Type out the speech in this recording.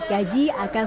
akan setelah diangkat